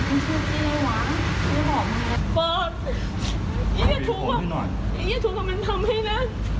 เอี๊ยะถูกว่ามันทำให้นะ